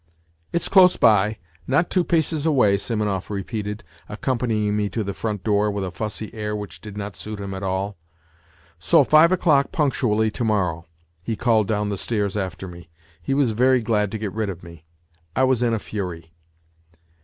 " It's close by ... not two paces away," Simonov repeated, accompanying me to the front door with a fussy air which did not suit him at all. " So five o'clock, punctually, to morrow," he called down the stairs after me. He was very glad to get rid of me. I was in a fury.